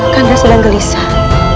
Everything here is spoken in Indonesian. kanda sedang gelisah